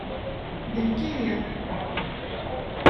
D nekk aya.